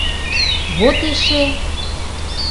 — Вот эше!